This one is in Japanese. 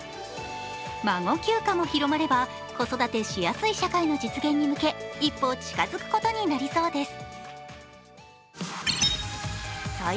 孫休暇も広まれば、子育てしやすい社会の実現に向け、一歩近づくことになりそうです。